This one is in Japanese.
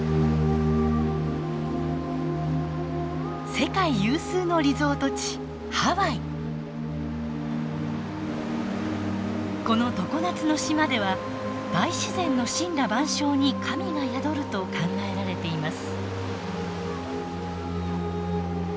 世界有数のリゾート地この常夏の島では大自然の森羅万象に神が宿ると考えられています。